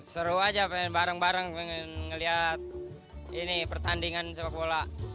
seru aja pengen bareng bareng pengen ngeliat ini pertandingan sepak bola